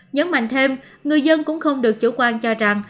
nhấn mạnh thêm người dân cũng không được chủ quan cho rằng